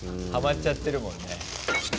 ハマっちゃってるもんね。